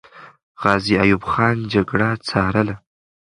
غازي ایوب خان جګړه ځارله.